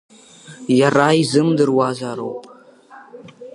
Иара изымдыруазароуп.